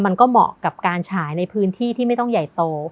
มันก็เหมาะกับการฉายในพื้นที่ที่ไม่ต้องใหญ่โต